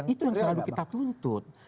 itu yang selalu kita tuntut